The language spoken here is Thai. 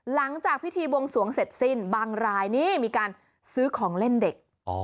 หลังจากพิธีบวงสวงเสร็จสิ้นบางรายนี่มีการซื้อของเล่นเด็ก